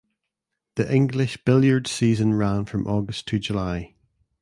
The English billiards season ran from August to July.